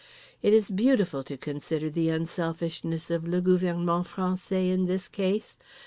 It is beautiful to consider the unselfishness of le gouvernement français in this case.